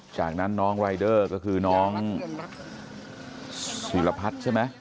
จากนั้นน้องรายเดอร์ก็คือน้องศิรพัฒน์ใช่ไหม